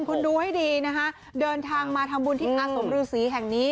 คุณดูให้ดีนะคะเดินทางมาทำบุญที่อาสมฤษีแห่งนี้